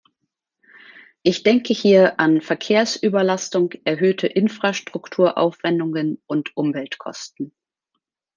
Ich denke hier an Verkehrsüberlastung, erhöhte Infrastrukturaufwendungen und Umweltkosten.